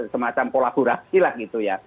semacam kolaborasi lah gitu ya